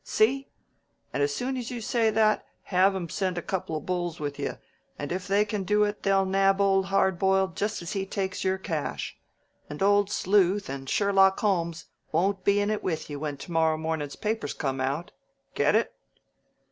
See? And as soon as you say that, have him send a couple of bulls with you, and if they can do it, they'll nab Old Hard Boiled just as he takes your cash. And Old Sleuth and Sherlock Holmes won't be in it with you when to morrow mornin's papers come out. Get it?"